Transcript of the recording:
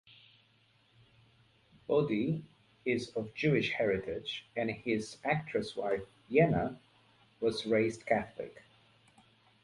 Bodhi is of Jewish heritage and his actress wife Jenna, was raised Catholic.